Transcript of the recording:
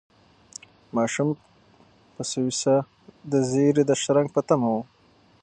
ماشوم په سوې ساه د زېري د شرنګ په تمه و.